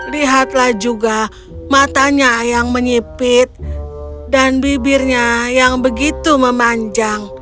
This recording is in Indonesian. lihatlah juga matanya yang menyepit dan bibirnya yang begitu memanjang